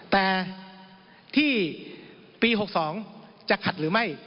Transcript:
แต่ที่ปี๖๒จะขัดหรือไม่